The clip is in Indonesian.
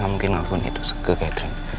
gak mungkin ngapain itu ke catering